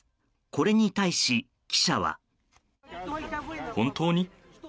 これに対し、記者は。